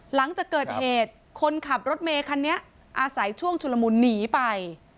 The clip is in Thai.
หลังจากเกิดเหตุคนขับรถเมย์คันนี้อาศัยช่วงชุลมุนหนีไป